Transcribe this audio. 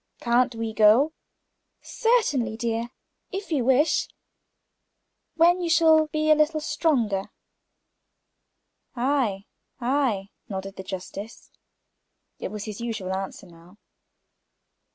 Can't we go?" "Certainly, dear, if you wish it; when you shall be a little stronger." "Ay, ay," nodded the justice again. It was his usual answer now.